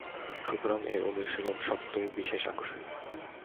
সুতরাং এর অনুশীলন স্বতই বিশেষ আকর্ষণীয়।